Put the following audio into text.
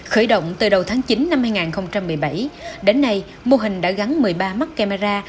khởi động từ đầu tháng chín năm hai nghìn một mươi bảy đến nay mô hình đã gắn một mươi ba mắt camera